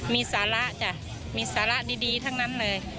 มีสาระจ้ะมีสาระดีทั้งนั้นเลย